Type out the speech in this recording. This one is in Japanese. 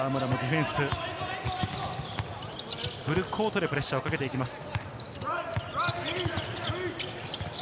フルコートでプレッシャーをかけていきます。